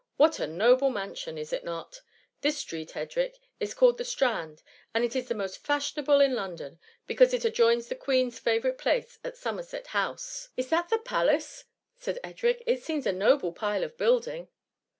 What a noble mansion ! is it not ? This street, Edric, is called the Strand, and is the most fashionable in London; because it adjoins the Queen's favourite palace at Somerset House.^ >. 142 THB MUMHY. ^^ Is tha^ the palace ?^ said Edric. ^* It seems a noble pile of building."